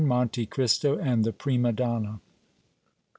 MONTE CRISTO AND THE PRIMA DONNA.